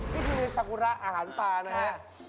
นี่คือสักกุระอาหารปลานะครับ